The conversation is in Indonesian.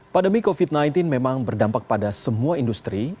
pandemi covid sembilan belas memang berdampak pada semua industri